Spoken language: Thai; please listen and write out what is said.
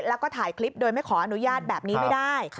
แล้วก็ถ่ายคลิปโดยไม่ขออนุญาตแบบนี้ไม่ได้